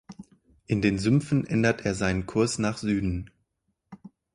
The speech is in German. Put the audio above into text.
In den Sümpfen ändert er seinen Kurs nach Süden.